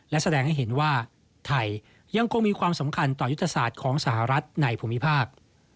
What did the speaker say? และแสดงให้เห็นว่าไทยยังคงมีความสำคัญต่อยุทธศาสตร์ของสหรัฐในภูมิภาค